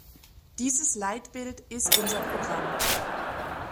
Dieses Leitbild ist unser Programm.